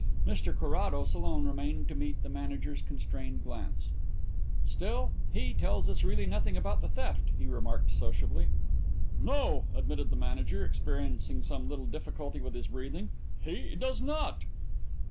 Mr Carrados alone remained to meet the Manager's constrained glance. "Still, he tells us really nothing about the theft," he remarked sociably. "No," admitted the Manager, experiencing some little difficulty with his breathing, "he does not."